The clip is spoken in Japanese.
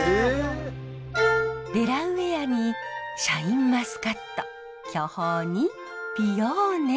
デラウェアにシャインマスカット巨峰にピオーネ。